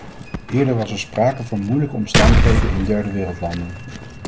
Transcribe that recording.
Eerder was er sprake van moeilijke omstandigheden in derdewereldlanden.